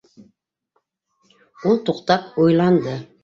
— Ул туҡтап уйланды.